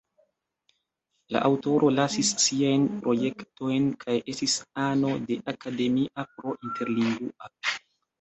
La aŭtoro lasis siajn projektojn kaj estis ano de Academia pro Interlingua.